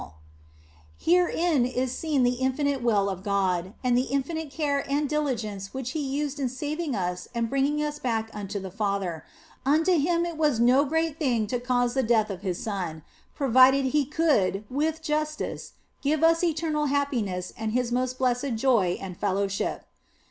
OF FOLIGNO 97 Herein is seen the infinite will of God, and the infinite care and diligence which He used in saving us and bring ing us back unto the Father ; unto Him was it no great thing to cause the death of His Son, provided He could with justice give us eternal happiness and His most blessed joy and fellowship.